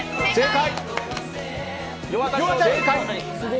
正解。